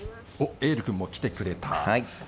エール君も来てくれた。